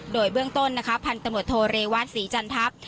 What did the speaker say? โดยเบื้องต้นนะคะพันธุ์ตำรวจโทเรวัตศรีจันทัพ